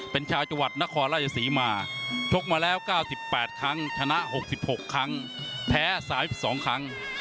เป็นชาวจังหวัดนครราชศรีมาชกมาแล้ว๙๘ครั้งชนะ๖๖ครั้งแพ้๓๒ครั้ง